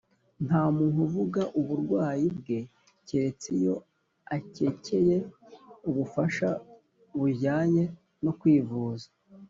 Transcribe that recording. nta muntu uvuga uburwayi bwe keretse iyo akekeye ubufasha bujyanye no kwivuza